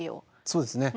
そうですね。